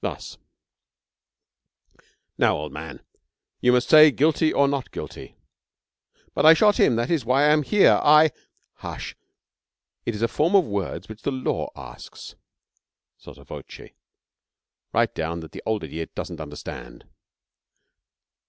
Thus: 'Now, old man, you must say guilty or not guilty.' 'But I shot him. That is why I am here. I ' 'Hush! It is a form of words which the law asks. (Sotte voce. Write down that the old idiot doesn't understand.)